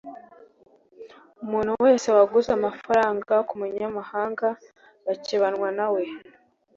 umuntu wese waguze amafaranga ku munyamahanga bakebanwa na we